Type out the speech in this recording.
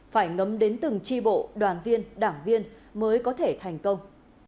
phải ngấm đến từng tri bộ đoàn viên đảng viên mới có thể thành công